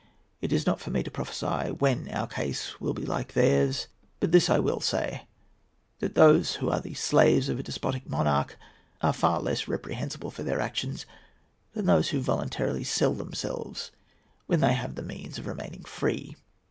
It is not for me to prophesy when our case will be like theirs; but this I will say, that those who are the slaves of a despotic monarch are far less reprehensible for their actions than those who voluntarily sell themselves when they have the means of remaining free.